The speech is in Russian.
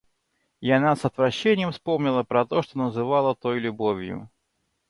И она с отвращением вспомнила про то, что называла той любовью.